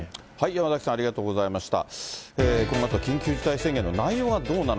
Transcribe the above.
山崎さん、ありがとうございました。